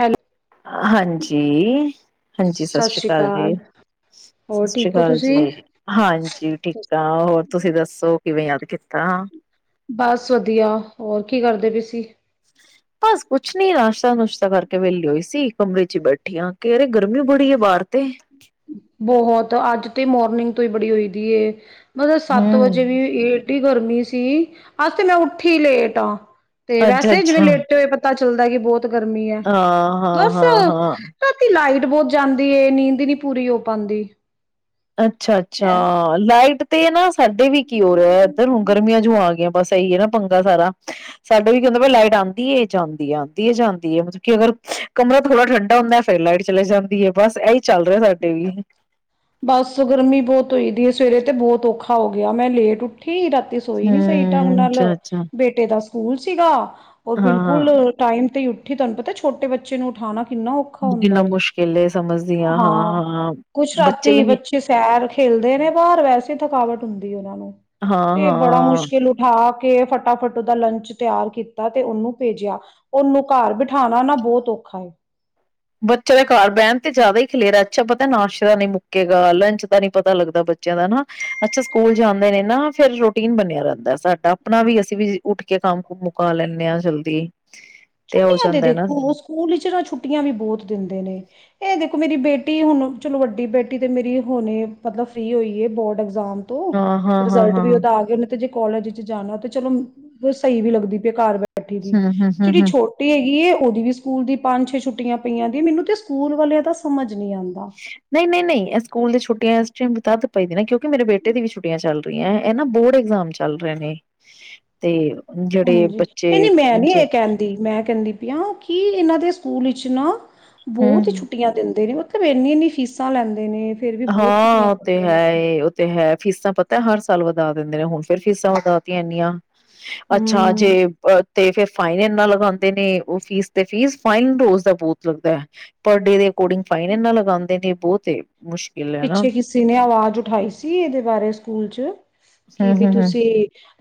Hello ਹਾਂਜੀ ਹਾਂਜੀ ਸਤਿ ਸ੍ਰੀ ਅਕਾਲ ਜੀ ਸਤਿ ਹੋਰ ਸ੍ਰੀ ਠੀਕ ਹੋ ਅਕਾਲ ਤੁਸੀਂ? ਜੀ ਹਾਂਜੀ ਠੀਕ ਆ ਹੋਰ ਤੁਸੀਂ ਦੱਸ ਸੋ ਕਿਵੇਂ ਯਾਦ ਕੀਤਾ ਬਸ ਵਧੀਆ ਹੋਰ ਕੀ ਕਰਦੇ ਪਇ ਸੀ ਬਸ ਕੁਛ ਨੀ ਨਾਸ਼ਤਾ ਨੁਸ਼ਤਾ ਕਰਕੇ ਵਿਹਲੀ ਹੋਈ ਸੀ ਕਮਰੇ ਚ ਹੀ ਬੈਠੀਆਂ ਆ ਕੇ ਰੇ ਗਰਮੀ ਬੜੀ ਹੈ ਬਾਹਰ ਤੇ ਬਹੁਤ ਅੱਜ ਤੇ ਮੋਰਨਿੰਗ ਤੋਂ ਹੀ ਬੜੀ ਹੋਈ ਦੀ ਏ ਮਤਲਬ ਸੱਤ ਹੂੰ, ਵਜੇ ਵੀ ਏਟੀ ਗਰਮੀ ਸੀ ਅੱਜ ਤੇ ਮੈਂ ਉੱਠੀ ਲੇਟ ਹਾਂ ਤੇ ਵੈਸੇ ਜਿਵੇਂ ਅੱਛਾ-ਅੱਛਾ, ਲੇਟੇ ਹੋਏ ਪਤਾ ਚੱਲਦਾ ਗ ਬਹੁਤ ਗਰਮੀ ਹੈ ਹਾਂ-ਹਾਂ, ਬਸ ਹਾਂ-ਹਾਂ। ਰਾਤੀ ਲਾਈਟ ਬਹੋਤ ਜਾਂਦੀ ਏ ਨੀਂਦ ਨੀ ਪੂਰੀ ਹੋ ਪਾਂਦੀ ਅੱਛਾ ਅੱਛਾ ਲਾਈਟ ਤੇ ਨਾ ਸਾਡੇ ਵੀ ਕੀ ਹੋਰਿਹਾ ਐਧਰ ਹੁਨ ਗਰਮੀਆਂ ਜੂ ਆ ਗਈਆਂ ਬਸ ਇਹੀ ਏ ਨਾ ਪੰਗਾ ਸਾਰਾ ਸਾਡਾ ਵੀ ਕੀ ਹੁੰਦਾ ਪਿਐ ਲਾਈਟ ਆਂਦੀ ਏ ਜਾਂਦੀ ਏ ਆਂਦੀ ਏ ਜਾਂਂਦੀ ਏ ਮਤਲਬ ਕਿ ਅਗਰ ਕਮਰਾ ਥੋੜ੍ਹਾ ਠੰਡਾ ਹੁੰਦਾ ਫਿਰ ਲਾਈਟ ਚਲੇ ਜਾਂਦੀ ਏ ਬਸ ਇ ਚੱਲ ਰਿਹਾ ਸਾਡੇ ਵੀ ਬਸ ਗਰਮੀ ਬਹੋਤ ਹੋਈ ਦੀ ਏ ਸਵੇਰੇ ਤੇ ਬਹੋਤ ਔਖਾ ਹੋ ਗਿਆ ਮੈਂ ਲੇਟ ਉੱਠੀ ਰਾਤੀ ਤੇ ਸੋਈ ਨਿ ਸਹੀ ਢੰਗ ਹੂੰ। ਨਾਲ ਅੱਛਾ-ਅੱਛਾ, ਬੇਟੇ ਦਾ ਸਕੂਲ ਸੀਗਾ ਉਹ ਹਾਂ ਬਿਲਕੁਲ ਟਾਈਮ ਤੇ ਤੁਹਾਨੂੰ ਪਤਾ ਛੋਟੇ ਬੇਚੇ ਨੂੰ ਉਠਾਣਾ ਕਿੰਨਾ ਮੁਸ਼ਕਿਲ ਸਮਝਦੀ ਹਾਂ ਹਾਂ ਹਾਂ ਕੁਛ ਰਾਤੀ ਬੱਚੇ ਸੈਰ ਖੇਲਦੇ ਨੇ ਬਾਹਰ ਵੈਸੇ ਥਕਾਵਟ ਹੁੰਦੀਆਂ ਤੇ ਬੜਾ ਹਾਂ-ਹਾਂ। ਮੁਸ਼ਕਿਲ ਉਠਾ ਤੇ ਫਟਾਫਟ ਉਹਦਾ ਲੰਚ ਤਿਆਰ ਕੀਤਾ ਤੇ ਉਹਨੂੰ ਭੇਜਿਆ ਉਹਨੂੰ ਘਰ ਬਿਠਾਨਾ ਨਾ ਬਹੋਤ ਔਖਾ ਏ ਬੱਚੇ ਘਰ ਬਹਿਨ ਤੇ ਜ਼ਿਆਦਾ ਹੀ ਖਲੇਰ ਅੱਛਾ ਪਤਾ ਨਾਸ਼ਤਾ ਨੇ ਮੁੱਕੇਗਾ ਲੰਚ ਦਾ ਨੀ ਪਤਾ ਲੱਗਦਾ ਬੱਚਿਆਂ ਦਾ ਨਾ ਅੱਛਾ ਸਕੂਲ ਜਾਂਦੇ ਨੇ ਨਾ ਫੇਰ ਰੂਟੀਨ ਬਣਿਆ ਰਹਿੰਦਾ ਸਾਡਾ ਆਪਣਾ ਵੀ ਅਸੀਂ ਵੀ ਉੱਠ ਕੇ ਕੰਮ ਮੁਕਾ ਲੈਂਦੇ ਹਾਂ ਜਲਦੀ ਹੋ ਛੁੱਟੀਆਂ ਤੇ ਜਾਂਦਾ ਨਾ ਦੇਖੋ ਸਕੂਲ ਚ ਨਾ ਛੁੱਟੀਆਂ ਵੀ ਬਹੋਤ ਦਿੰਦੇ ਨੇ ਇਹ ਦੇਖੋ ਮੇਰੀ ਬੇਟੀ ਹੁਨ ਚਲੋ ਵੱਡੀ ਬੇਟੀ ਤੇ ਮੇਰੀ ਹੁਨੇ ਮਤਲਬ ਫ੍ਰਰੀ ਹੋਈ ਏ ਬੋਰਡ ਐਗਜ਼ਾਮ ਹਾਂ ਹਾਂ ਹਾਂ ਰਿਜਲਟ ਹਾਂ ਵੀ ਉਹਦਾ ਆ ਗਯਾ ਤੇ ਜੇ ਕੋਾਲਜ ਵਿੱਚ ਜਾਨਾ ਤੇ ਚਲੋ ਸਹੀ ਵੀ ਲੱਗਦੀ ਪਈ ਇ ਘਰ ਬੈ ਠੀ ਦੀ [unintelligible] ਹਮ ਹਮ ਹਮ ਜਿਹੜੀ ਹਮ ਛੋਟੀ ਹੈਗੀ ਏ ਉਹਦੀ ਵੀ ਸਕੂਲ ਦੀ ਪੰਜ ਛੇ ਛੁੱਟੀਆਂ ਪਈਆਂ ਦੀਐ ਮੈਨੂੰ ਤੇ ਸਕੂਲ ਵਾਲਿਆਂ ਦਾ ਸਮਝ ਨਹੀਂ ਆਉਂਦਾ ਨਹੀਂ ਨਹੀਂ ਨਹੀਂ ਐ ਸਕੂਲ ਦੇ ਛੁ ਟੀਆਂ ਤੱਦ ਪਾਈਦੇ ਨੇ ਕਿਉਕਿ ਮੇਰੇ ਬੇਟੇ ਦੀ ਵੀ ਛੱਟਿਆਂ ਚੱਲ ਇਹ ਨਾ ਬੋਰਡ ਐਗਜ਼ਾਮ ਚੱਲ ਰਹੇ ਨੇ ਤੇ ਜਿਹੜੇ ਹਾਂਜੀ, ਨਈ-ਨਈ ਬੱਚੇ ਮੈਂ ਨੀ ਏ ਕੇਂਦੀ ਮੈਂ ਕੇਂਦੀ ਪੀ ਆਂ ਕੀ ਏਨਾਂ ਦੇ ਸ ਸਕੂਲ ਇਚ ਨਾ ਬੌਤ ਈ ਹਮ ਛੁੱਟੀਆਂ ਦਿੰਦੇ ਨੇ ਉ ਏਨੀ-ਏਨੀ ਫੀਸਾਂ ਲੈਂਦੇ ਨੇ ਫੇਰ ਵੀ ਬਹੁਤ ਛੁੱਟੀਆਂ ਹਾਂ ਔ ਤੇ ਕਰਦੇ ਹੈ ਨੇ ਏ ਔ ਤੇ ਹੈ ਫੀਸਾਂ ਪਤਾ ਏ ਹਰ ਸਾਲ ਵਧਾ ਦਿੰਦੇ ਨੇ ਹੁਨ ਫੇਰ ਫੀਸਾਂ ਵਧਾਤੀਆਂ ਏਂਨੀਆਂ। ਅੱਛਾ ਜੇ ਹੂੰ, ਅ ਤੇ ਫੇਰ ਫਾਈਨ ਏਨਾ ਲਗਾਂਦੇ ਨੇ ਔ ਫੀਸ ਤੇ ਫੀਸ ਫਾਈਨ ਰੋਜ਼ ਦਾ ਬੌਤ ਲੱਗਦੈ, ਪਰ ਡੇ ਦੇ ਅਕੋਡਿੰਗ ਫਾਈਨ ਏਨਾ ਲਗਾਂਦੇ ਨੇ ਬੌਤ ਏ ਮੁਸ਼ਕਿਲ ਐ ਨਾ। ਪਿੱਛੇ ਕਿਸੀ ਨੇ ਆਵਾਜ ਉਠਾਈ ਸੀ ਏਦੇ ਬਾਰੇ ਸਕੂਲ ਚ ਕਿ ਹੂੰ, ਬੀ ਹੂੰ, ਹੂੰ, ਤੁਸੀ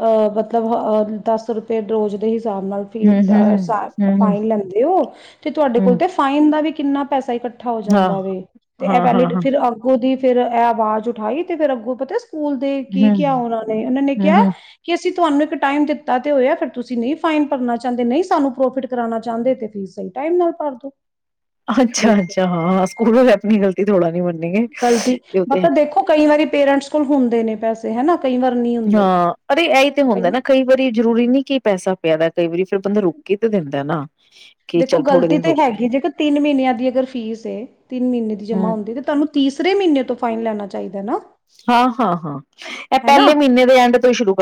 ਅ ਮਤਲਬ ਅ ਦਸ ਰੁਪਏ ਰੋਜ ਦੇ ਹਿਸ ਹਿਸਾਬ ਨਾਲ ਫੀ ਹੂੰ, ਹੂੰ, [unintelligible] ਹੂੰ, ਹੂੰ, ਫਾਈਨ ਲੈਂਦੇ ਔ ਤੇ ਤੁਆਡੇ ਕੋਲ ਹੂੰ, ਤੇ ਫਾਈਨ ਦਾ ਵੀ ਕਿੰਨਾ ਪੈਸਾ ਇਕੱਠਾ ਹੋ ਹਾਂ, ਜਾਂਦਾ ਵੈ ਤੇ ਏਹ ਹਾਂ, ਹਾਂ, ਵੈਲੀਡ ਹਾਂ। ਫਿਰ ਅ ਉਹਦੀ ਫੇਰ ਐ ਆਵਾਜ ਉਠਾਈ ਤੇ ਫੇਰ ਅੱਗੋਂ ਪਤਾ ਸ ਸਕੂਲ ਦੇ ਕੀ ਹੂੰ, ਕੇਆ ਹੂੰ, ਔਨਾਂ ਨੇ ਔਨਾਂ ਨੇ ਹੂੰ, ਕਿਆ ਹੂੰ, ਕਿ ਅਸੀਂ ਤੁਆਨੂੰ ਇੱਕ ਟਾਈਮ ਦਿੱਤ ਕੀਤਾ ਤੇ ਹੋਏਆ ਫੇਰ ਤੁਸੀਂ ਨਈ ਫਾਈਨ ਭਰਨਾ ਚਾਂਦੇ, ਨਈ ਸਾਨੂੰ ਪ੍ਰੋਫਿਟ ਕਰਾਨਾ ਚਾਂਦੇ ਤੇ ਫੀ ਸਈ ਟਾਈਮ ਨਾਲ ਭਰ ਦੋ। ਅੱਛਾ, ਦੇਖੋ ਅੱਛਾ ਹਾਂ ਸੁਕੂਲ ਵਾਲੇ ਆਪਨੀ ਗਲਤੀ ਥੋੜ੍ਹਾ ਨੀ ਮੰਨਨੀ। ਗਲਤੀ, ਮਤਬ ਦੇਖੋ ਕਈ ਵਾਰੀ ਪੇਰੇਂਟਸ ਕੋਲ ਹੁੰਦੇ ਨੇ ਪੈਸੇ ਹੈ ਨਾ। ਹਾਂ, ਅਰੇ ਐਈ ਤੇ ਹੁੰਦੈ ਨਾ ਕਈ ਵਾਰੀ ਜਰੂਰੀ ਨੀ ਕਿ ਪੈਸਾ ਪੇਆਰਾ। ਕਈ ਵਾਰੀ ਫਿਰ ਬੰਦਾ ਰੁਕ ਕੇ ਤੇ ਦੇਂਦਾ ਏ ਨਾ। ਕਿ ਦੇਖੋ ਚੱਲ ਥੋੜੇ ਗਲਤੀ ਦਿਨ ਤੇ ਰੁਕ ਕੇ ਹੈਗੀ, ਜੇਕਰ ਤਿੰਨ ਮ੍ਹੀਨੇਆਂ ਦੀ ਅਗਰ ਫੀਸ ਏ, ਤਿੰਨ ਮ੍ਹੀਨੇ ਦੀ ਜਮਾ ਹੂੰ, ਹੁੰਦੀ ਤੇ ਤੁਆਨੂੰ ਤੀਸਰੇ ਮ੍ਹੀਨੇ ਤੋਂ ਫਾਈਨ ਲੈਨਾ ਚਾਈਦੈ ਨਾ। ਹਾਂ, ਹਾਂ, ਹਾਂ। ਹੈ ਨਾ,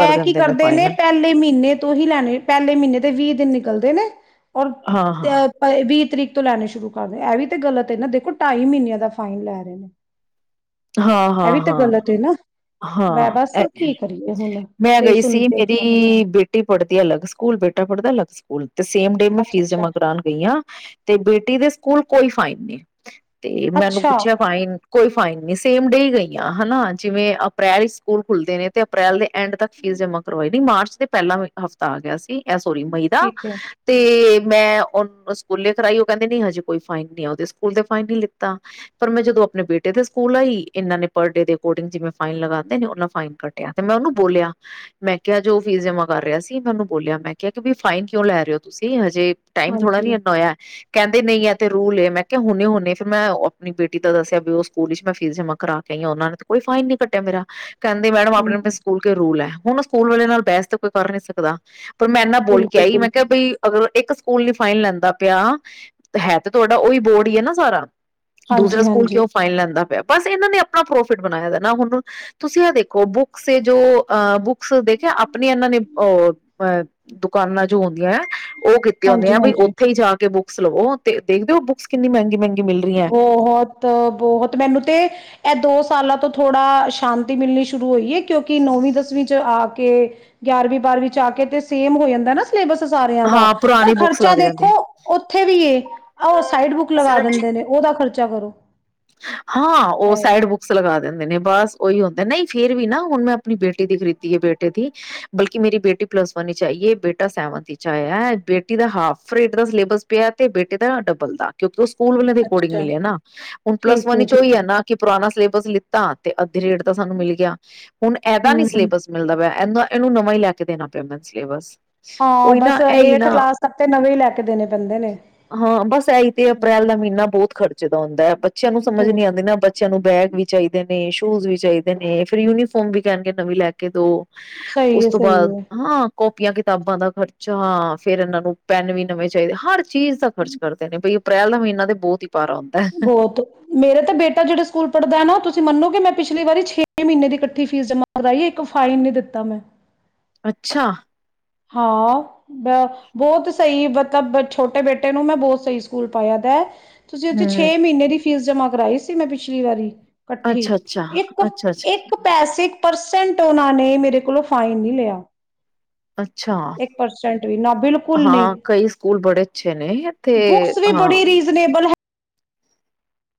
ਐ ਕੀ ਦਿੰਦੇ ਕਰਦੇ ਨੇ ਫਾਈਨਲ ਪੈਲੇ ਮ੍ਹੀਨੇ ਤੋਂ ਹੀ ਲੈਨੇ, ਪੈਲੇ ਮ੍ਹੀਨੇ ਦੇ ਵੀਹ ਦਿਨ ਨਿਕਲਦੇ ਨੇ ਓਰ ਹਾਂ-ਹਾਂ। ਪਰ ਵੀਹ ਤਰੀਕ ਤੋਂ ਲੈਨੇ ਸ਼ੁਰੂ ਕਰਦੇ। ਐ ਵੀ ਏ ਗਲਤ ਏ ਨਾ, ਦੇਖੋ ਢਾਈ ਮ੍ਹੀਨੇਆਂ ਦਾ ਫਾਈਨ ਲੈ ਰਏ ਨੇ। ਹਾਂ, ਇਹ ਹਾਂ, ਵੀ ਤੇ ਹਾਂ, ਗਲਤ ਹੈ ਨਾ ਹਾਂ। ਵੈ ਹਾਂ, ਬਸ ਐ ਕੀ ਕਰੀਏ ਹੁਣ ਮੈਂ ਤੇ ਗਈ ਸੁਣ ਸੀ। ਦੇਖਣਾ ਪੈਂਦਾ ਮੇਰੀ ਬੇਟੀ ਪੜ੍ਹਦੀ ਅਲੱਗ ਸੁਕੂਲ ਬੇਟਾ ਪੜ੍ਹਦਾ ਅਲੱਗ ਸੁਕੂਲ [inaudible] ਤੇ ਸੇਮ ਡੇ ਮੈਂ ਅੱਛਾ ਫੀਸ ਅੱਛਾ ਜਮਾ ਕਰਾਨ ਗਈ ਆਂ, ਤੇ ਬੇਟੀ ਦੇ ਸੁਕੂਲ ਕੋਈ ਫਾਈਨ ਨੀ ਤੇ ਮੈਨੂੰ ਅੱਛਾ ਪੁੱਛਿਆ, ਫਾਈਨ ਕੋਈ ਫਾਈਨ ਨੀ। ਸੇਮ ਡੇ ਗਈਆਂ ਹੈ ਨਾ। ਜਿਵੇਂ ਅਪ੍ਰੈਲ ਈਚ ਸਕੂਲ ਖੁੱਲਦੇ ਨੇ ਤੇ ਅਪ੍ਰੈਲ ਦੇ ਐਂਡ ਤੱਕ ਫੀਸ ਜਮ੍ਹਾਂ ਕਰਵਾਈ ਦੀ ਮਾਰਚ, ਤੇ ਪਹਿਲਾਂ ਹਫ਼ਤਾ ਆ ਗਿਆ ਸੀ। ਇਹ ਸੋਈ ਭਈ ਦਾ ਠੀਕ ਹੈ ਤੇ' ਮੈਂ ਓਹ ਸਕੂਲੇ ਕਰਾਈ ਓਹ ਕਹਿੰਦੇ ਨੀ ਹਜੇ ਕੋਈ ਫਾਈਨ ਨੀ ਏ। ਓਹਦੇ ਸਕੂਲ ਤੇ ਫਾਈਨ ਨੀ ਲਿੱਤਾ, ਪਰ ਮੈਂ ਜਦੋਂ ਅਪਨੇ ਬੇਟੇ ਦੇ ਸਕੂਲ ਆਈ, ਇਹਨਾਂ ਨੇ ਪਰ ਡੇ ਦੇ ਅਕੋਰਡਿੰਗ ਜਿਵੇਂ ਫਾਈਨ ਲਗਾਦੇਂ ਨੇ ਓਹਨਾਂ ਫਾਈਨ ਕੱਡਿਆ, ਤੇ ਮੈਂ ਓਹਨੂੰ ਬੋਲਿਆ, ਮੈਂ ਕਿਹਾ ਜੋ ਫੀਸ ਜਮਾ ਕਰ ਰਿਹਾ ਸੀ। ਮੈਂ ਉਹਨੂੰ ਬੋਲਿਆ ਮੈਂ ਕਿਹਾ, ਭਿ ਫਾਈਨ ਕਿਉਂ ਲੈ ਰਹੇ ਹੋ ਤੁਸੀਂ ਹਜੇ ਟਾਈਮ ਥੋੜਾ ਹਾਂਜੀ ਨੀ ਅੱਧਾ ਹੋਇਆ ਕਹਿੰਦੇ ਨਹੀਂ ਐ ਤੇ ਰੂਲ ਏ ਮੈਂ ਕਿਆ ਹੁਣੇੇ ਹੁਣੇ ਫਿਰ ਮੈਂ ਆਪਣੀ ਬੇਟੀ ਦਾ ਦੱਸਿਆ, ਵੀ ਓਹ ਸਕੂਲ ਵਿੱਚ ਮੈਂ ਫੀਸ ਜਮਾਂ ਕਰਾ ਕੇ ਆਈ ਆ ਓਹਨਾਂ ਨੇ ਤਾਂ ਕੋਈ ਫਾਈਨ ਨੀ ਕੱਟਿਆ ਮੇਰਾ ਕਹਿੰਦੇ? ਮੈਡਮ ਹੂੰ ਆਪਣੇ ਆਪਣੇ ਸਕੂਲ ਕੇ ਰੂਲ ਹੈਂ। ਹੁਣ ਸਕੂਲ ਵਾਲਿਆਂ ਨਾਲ ਬਹਿਸ ਤੇ ਕੋਈ ਕਰ ਨੀ ਸਕਦਾ। ਪਰ ਮੈਂ ਇੰਨਾ ਬੋਲ ਕੇ ਬਿਲਕੁਲ ਆਈ, ਮੈਂ ਕਿਹਾ ਬਿਲਕੁਲ ਭਈ ਅਗਰ ਇੱਕ ਸਕੂ ਸਕੂਲ ਨੀ ਫਾਈਨ ਲੈਂਦਾ ਪਿਆ, ਤ ਹੈਂ ਤੇ ਤੁਹਾਡਾ ਓਹੀ ਬੋਰਡ ਈਏ ਨਾ ਸਾਰਾ ਹਾਂਜੀ ਦੂਸਰਾ ਸਕੂਲ ਹਾਂਜੀ ਕਿਓੰ ਫਾਈਨ ਲੈਂਦਾ ਪਿਆ ਤੇ ਇੱਨਾਂ ਨੇ ਅਪਣਾ ਪ੍ਰੋਫਿਟ ਬਣਾਇਦਾਏ, ਨਾ ਹੁਣ ਤੁਸੀਂ ਇਹ ਵੇਖੋ ਬੁਕਸ ਏ ਜੋ ਅ ਬੁਕਸ ਦੇਖਿਆ, ਅਪਣੀ ਇਹਨਾਂ ਨੇ ਦੁਕਾਨਾਂ ਜੋ ਹੁੰਂਦੀਆਂ ਏ ਓਹ ਕੀਤੇ ਹਾਂਜੀ ਹੁੰਦੀਆਂ, ਭਈ ਹਾਂਜੀ ਓੱਥੇ ਹੀ ਜਾ ਕੇ ਬੁੱਕ ਸਲੋ ਬਹੁਤ, ਬਹੁਤ ਮੈਨੂੰ ਤੇ' ਇਹ ਦੋ ਸਾਲਾਂ ਤੋਂ ਥੋੜਾ ਸ਼ਾਂਤੀ ਮਿਲਣੀ ਸ਼ੁਰੂ ਹੋਈ ਐ ਕਿਉਂਕਿ ਨੌਵੀਂ ਦਸਵੀਂ ਚ ਆ ਕੇ ਗਿਆਰਵੀਂ ਬਾਰਵੀਂ ਚ ਆ ਕੇ ਤੇ ਸੇਮ ਹੋ ਜਾਂਦਾ ਨਾ ਸਿਲੇਬਸ ਸਾਰਿਆਂ ਦਾ ਹਾਂ ਪਰ ਪੁਰਾਣੀ ਬੁੱਕਸ ਖਰਚਾ ਦੇਖੋ ਉੱਥੇ ਵੀ ਏ ਉਹ ਸਾਈਡ ਬੁੱਕ ਲਗਾ ਸਰਬਜੀਤ ਦਿੰਦੇ ਨੇ ਉਹਦਾ ਖਰਚਾ ਕਰੋ ਹਾਂ ਉਹ ਹੈ ਸਾਈਡ ਬੁਕਸ ਲਗਾ ਦਿੰਦੇ ਨੇ ਬਸ ਓਹੀਓ ਹੁੰ ਨਹੀਂ ਫੇਰ ਵੀ ਨਾ ਹੁਣ ਮੈਂ ਆਪਣੀ ਬੇਟੀ ਦੀ ਖਰੀਦੀ ਹੈ ਬੇਟੇ ਦੀ ਬਲਕਿ ਮੇਰੀ ਬੇਟੀ ਪਲੱਸ ਵਨ ਆਈਏ ਬੇਟਾ ਸੈਵਨਥ ਵਿਚ ਆਇਆ ਬੇਟੀ ਦਾ ਹਾਫਰੇਟ ਦਾ ਸਿਲੇਬਸ ਪਿਆ ਤੇ ਇਦਾ ਡਬਲ ਦਾ ਕਿਉਂਕਿ ਉਸ ਸਕੂਲ ਦੇ ਅਕੋਰਡਿੰਗ ਅੱਛਾ ਮਿਲਿਆ ਨਾ ਹੁਣ ਪਲੱਸ ਵਨ ਚ ਓਹੀ ਹੈ ਨਾ ਕਿ ਪੁਰਾਣਾ ਸਿਲੇ ਬਸ ਲਿੱਤਾ ਤੇ ਅੱਧੇ ਰੇਟ ਤਾਂ ਸਾਨੂੰ ਮਿਲ ਗਿਆ ਹੁਣ ਇਹਦਾ ਨੀ ਹੂੰ ਸਿਲੇਬਸ ਮਿਲਦਾ ਪਿਆ ਇਹਦਾ ਇਹਨੂੰ ਨਵਾਂ ਹੀ ਲੈ ਕੇ ਦੇਣਾ ਪਿਆ ਮੈਨੂੰ ਸਿਲੇਬਸ ਹਾਂ ਉਹੀ ਬਸ ਨਾ ਇਹੀ ਏਠਥ ਨਾ ਕਲਾਸ ਤਕ ਤੇ ਨਵੇਂ ਹੀ ਲੈ ਕੇ ਦੇਣੇ ਪੈਂਦੇ ਨੇ ਹਾਂ ਬਸ ਇਹੀ ਤੇ ਅਪ੍ਰੈਲ ਦਾ ਮਹੀਨਾ ਬਹੁਤ ਖਰਚੇ ਦਾ ਹੁੰਦਾ ਬੱਚਿਆਂ ਨੂੰ ਸਮਝ ਨੀ ਬਹੁਤ ਆਉਂਦੀ ਨਾ ਬੱਚਿਆਂ ਨੂੰ ਬੈਗ ਵੀ ਚਾਹੀਦੇ ਤੇ ਸ਼ੂਜ ਵੀ ਚਾਹੀਦੇ ਨੇ ਫੇਰ ਯੂਨੀਫੋਰਮ ਵੀ ਕਹਿਣਗੇ ਨਵੀਂ ਲੈ ਕੇ ਦੋ ਸਹੀ ਉਸ ਹੈ ਤੋਂ ਸਹੀ ਬਾਅਦ ਹੈ ਹਾਂ ਕੋਪੀਆਂ ਕਿਤਾਬਾਂ ਦਾ ਖਰਚਾ, ਫੇਰ ਇਹਨਾਂ ਨੂੰ ਪੈੱਨ ਵੀ ਨਵੇਂ ਚਾਹੀਦੇ, ਹਰ ਚੀਜ਼ ਖਰਚ ਕਰਦੇ ਨੇ ਬਈ ਅਪ੍ਰੈਲ ਦਾ ਮਹੀਨਾ ਤੇ ਬਹੁਤ ਹੀ ਭਾਰਾ ਹੁੰਦਾ ਹੈ ਬਹੁਤ। ਮੇਰੇ ਤਾਂ ਬੇਟਾ ਜਿਹੜੇ ਸਕੂਲ ਪੜ੍ਹਦਾ ਨਾ ਤੁਸੀਂ ਤੁਸੀਂ ਮੰਨੋ ਗੇ ਮੈਂ ਪਿਛਲੀ ਵਾਰੀ ਛੇ ਮਹੀਨੇ ਦੀ ਇਕੱਠੀ ਫੀਸ ਜਮਾਂ ਕਰਾਈ ਏ ਇੱਕ ਫਾਈਨ ਨੀ ਦਿੱਤਾ ਮੈਂ ਅੱਛਾ ਹਾਂ ਬ ਬਹੁਤ ਸਹੀ ਮਤਲਬ ਛੋਟੇ ਬੇਟੇ ਨੂੰ ਮੈਂ ਬਹੁਤ ਸਹੀ ਸਕੂਲ ਪਾਇਆ ਦੈ ਤੁਸੀਂ ਉੱਥੇ ਹਮ ਛੇ ਮਹੀਨੇ ਦੀ ਫੀਸ ਜਮ੍ਹਾਂ ਕਰਵਾਈ ਸੀ ਮੈਂ ਪਿਛਲੀ ਵਾਰੀ ਇਕੱਠੀ, ਅੱਛਾ ਅੱਛਾ ਇੱਕ ਅੱਛਾ ਅੱਛਾ ਇੱਕ ਪੈਸੇ ਪਰਸੈਂਟ ਉਹਨਾਂ ਨੇ ਮੇਰੇ ਕੋਲੋਂ ਫਾਈਨ ਨਹੀਂ ਲਿਆ ਅੱਛਾ! ਇੱਕ ਪਰਸੈਂਟ ਵੀ ਨਾ ਬਿਲਕੁਲ ਨਹੀਂ ਹਾਂ, ਕਈ ਸਕੂਲ ਬੜੇ ਅੱਛੇ ਨੇ ਤੇ ਬੁੱਕਸ ਵੀ ਹਾਂ ਬੜੀ ਰੀਜ਼ਨੇਬਲ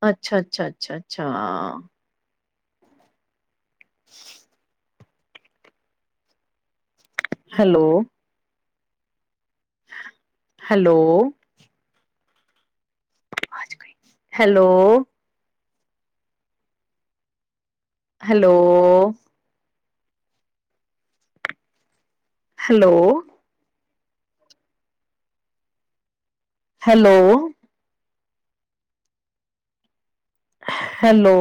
ਅੱਛਾ ਅੱਛਾ ਅੱਛਾ ਅੱਛਾ [unintelligible] hello hello [unintelligible] hello hello. Hello. Hello. Hello.